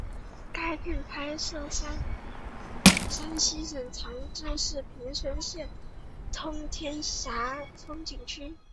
该片拍摄于山西省长治市平顺县通天峡风景区。